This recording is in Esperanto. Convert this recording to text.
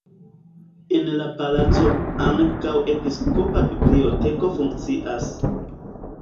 En la palaco ankaŭ episkopa biblioteko funkcias.